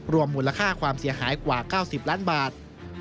มูลค่าความเสียหายกว่า๙๐ล้านบาท